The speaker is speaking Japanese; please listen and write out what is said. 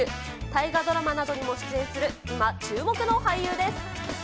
大河ドラマなどにも出演する、今、注目の俳優です。